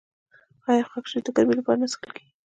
آیا خاکشیر د ګرمۍ لپاره نه څښل کیږي؟